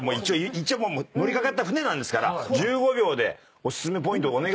一応乗り掛かった船なんですから１５秒でお薦めポイントお願いします。